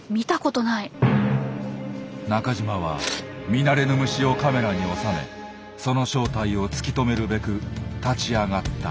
中島は見慣れぬ虫をカメラに収めその正体を突き止めるべく立ち上がった。